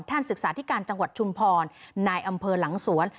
ศึกษาธิการจังหวัดชุมพรนายอำเภอหลังสวน